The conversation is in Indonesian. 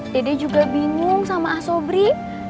dede juga bingung sama asobri